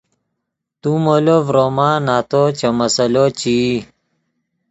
تو مولو ڤروما نتو چے مسئلو چے ای